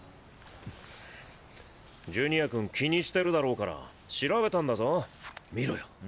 ジュニア君気にしてるだろうから調べたんだぞ見ろよ。